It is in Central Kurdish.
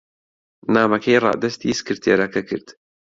نامەکەی ڕادەستی سکرتێرەکە کرد.